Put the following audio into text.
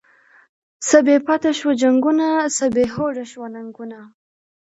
څه بی پته شوو جنگونه، څه بی هوډه شوو ننگونه